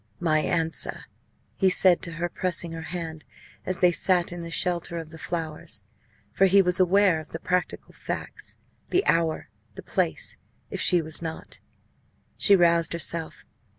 "My answer?" he said to her, pressing her hand as they sat in the shelter of the flowers. For he was aware of the practical facts the hour, the place if she was not. She roused herself.